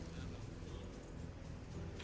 jangan gak mudah